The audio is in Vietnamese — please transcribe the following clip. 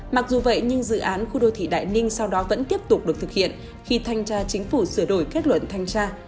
mặc dù vậy nhưng dự án khu đô thị đại ninh sau đó vẫn tiếp tục được thực hiện khi thanh tra chính phủ sửa đổi kết luận thanh tra